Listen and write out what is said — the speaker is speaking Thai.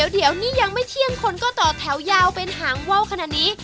เดี๋ยวนี้ยังไม่เที่ยงคนก็ต่อแถวยาวเป็นหางว่าวขนาดนี้